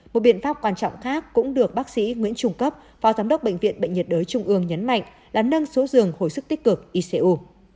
một biện pháp quan trọng khác cũng được bác sĩ nguyễn trung cấp phó giám đốc bệnh viện bệnh nhiệt đới trung ương nhấn mạnh là nâng số giường hồi sức tích cực icu